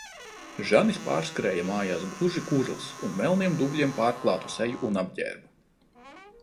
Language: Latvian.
Žanis pārskrēja mājās gluži kurls un melniem dubļiem pārklātu seju un apģērbu.